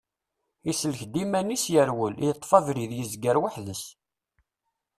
Isellek-d iman-is, yerwel, yeṭṭef abrid, yezger weḥd-s.